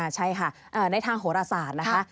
ใช่ค่ะในทางโหรศาสตร์นะคะ